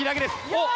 おっ！